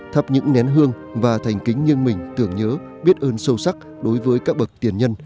thắp những nén hương và thành kính nghiêng mình tưởng nhớ biết ơn sâu sắc đối với các bậc tiền nhân